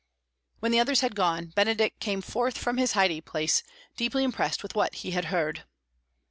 When the others had gone, Benedick came forth from his hiding place, deeply impressed with what he had heard.